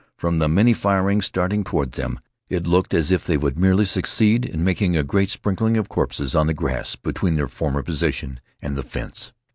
From the many firings starting toward them, it looked as if they would merely succeed in making a great sprinkling of corpses on the grass between their former position and the fence.